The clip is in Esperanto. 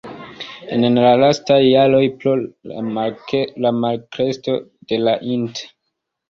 En la lastaj jaroj pro la malkresko de la int.